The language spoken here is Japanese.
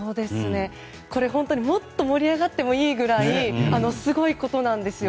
これ、本当にもっと盛り上がってもいいくらいすごいことなんですよ。